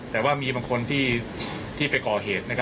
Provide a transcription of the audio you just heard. แต่ว่ามีบางคนที่ไปก่อเหตุ